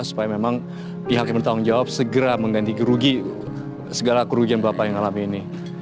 supaya memang pihak yang bertanggung jawab segera mengganti gerugi segala kerugian bapak yang alami ini